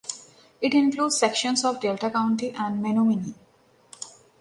It includes sections of Delta County and Menominee.